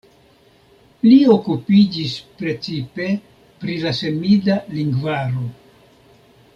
Li okupiĝis precipe pri la semida lingvaro.